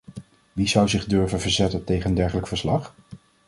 Wie zou zich durven verzetten tegen een dergelijk verslag?